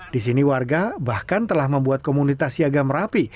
di sini warga bahkan telah membuat komunitas siaga merapi